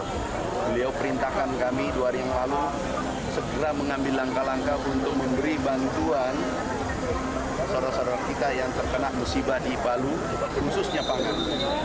beliau perintahkan kami dua hari yang lalu segera mengambil langkah langkah untuk memberi bantuan saudara saudara kita yang terkena musibah di palu khususnya pangan